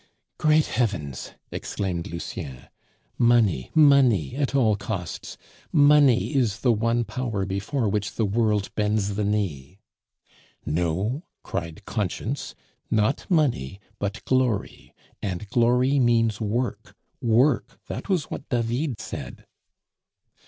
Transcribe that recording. "Great heavens!" exclaimed Lucien. "Money, money at all costs! money is the one power before which the world bends the knee." ("No!" cried conscience, "not money, but glory; and glory means work! Work! that was what David said.")